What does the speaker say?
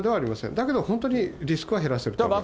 だけど、本当にリスクは減らせると思います。